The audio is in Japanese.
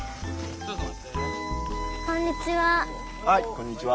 こんにちは。